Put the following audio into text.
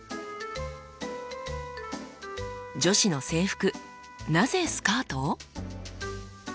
「女子の制服なぜスカート？」。